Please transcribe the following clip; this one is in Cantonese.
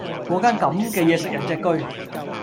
果間咁嘅野食人隻車